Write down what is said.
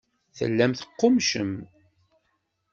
Tellam teqqummcem.